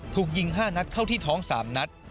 ถูกยิง๕นัดเข้าที่ท้อง๓นัด